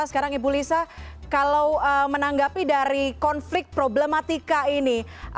sekarang ibu lisa kalau menanggapi dari konflik problematika ini